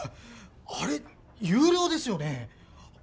あれ有料ですよね？